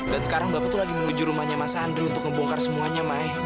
dan sekarang bapak tuh lagi menuju rumahnya mas sandro untuk ngebongkar semuanya mai